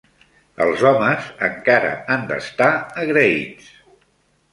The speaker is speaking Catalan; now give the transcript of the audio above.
Els homes encara han d'estar agraïts